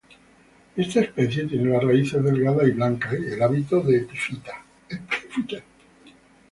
Esta especie tiene las raíces delgadas y blancas y el hábito de epífita.